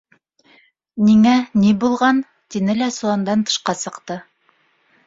— Ниңә, ни булған? — тине лә соландан тышҡа сыҡты.